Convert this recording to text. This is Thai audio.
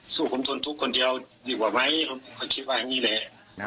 สู้ผมทนทุกคนเดี๋ยวดีกว่าไม่ผมคิดว่างี้แหละ